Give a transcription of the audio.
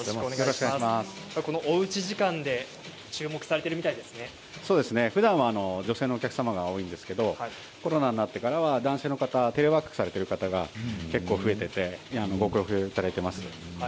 おうち時間でふだんは女性のお客さんが多いんですけれどコロナになってからは男性の方テレワークされている方が多くなってご購入いただいています。